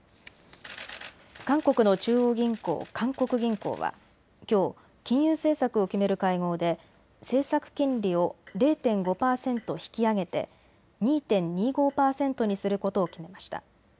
韓国の中央銀行・韓国銀行はきょう金融政策を決める会合で政策金利を０．５％引き上げて２．２５％にすることを決めました。